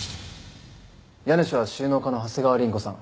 家主は収納家の長谷川凛子さん。